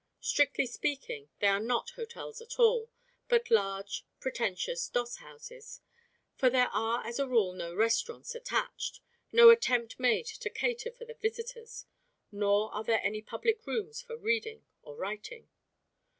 Strictly speaking, they are not hotels at all, but large pretentious "doss houses"; for there are as a rule no restaurants attached, no attempt made to cater for the visitors, nor are there any public rooms for reading or writing.